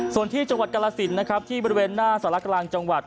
ส่วนที่จังหวัดกรสินนะครับที่บริเวณหน้าสารกลางจังหวัด